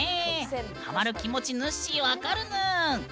ハマる気持ちぬっしー、分かるぬーん！